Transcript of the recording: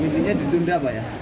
mimpinya ditunda apa ya